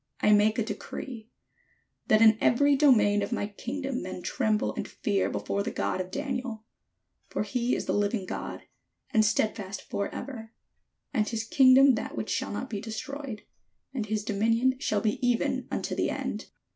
I make a decree, That in every dominion of my kingdom men tremble and fear before the God of Daniel: for he is the living God, and stedfast for ever, and his kingdom that which shall not be destroyed, and his dominion shall be even unto the end.